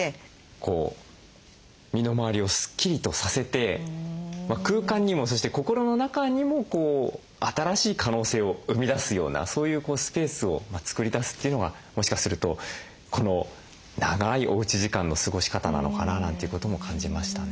こう身の回りをスッキリとさせて空間にもそして心の中にも新しい可能性を生み出すようなそういうスペースを作り出すというのがもしかするとこの長いおうち時間の過ごし方なのかななんていうことも感じましたね。